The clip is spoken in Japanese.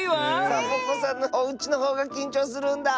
「サボ子さんのおうち」のほうがきんちょうするんだ。